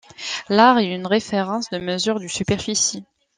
L'are est une référence de mesure de superficie.